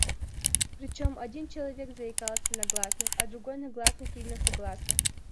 Причём один человек заикался на гласных, а другой на гласных и на согласных.